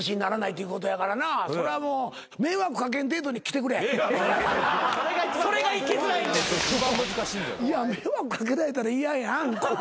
いや迷惑掛けられたら嫌やん。